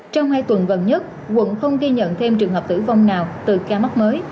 trong hai tuần gần nhất quận không ghi nhận thêm trường hợp tử vong nào từ ca mắc mới